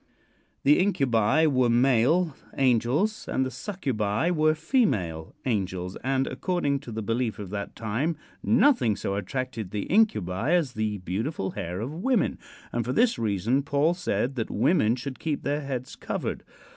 The Incubi were male angels and the Succubi were female angels, and according to the belief of that time nothing so attracted the Incubi as the beautiful hair of women, and for this reason Paul said that women should keep their heads covered.